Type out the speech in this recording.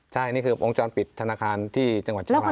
ใช่นี่คือวงจรปิดธนาคารที่จังหวัดเชียงราย